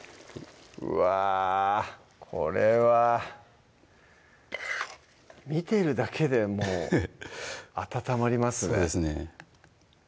うわこれは見てるだけでもう温まりますねそうですね